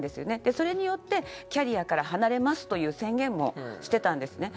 それによってキャリアから離れますという宣言もしていました。